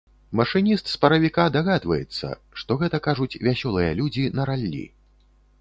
Машыніст з паравіка дагадваецца, што гэта кажуць вясёлыя людзі на раллі.